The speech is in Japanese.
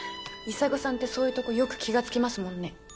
砂金さんってそういうとこよく気がつきますもんね。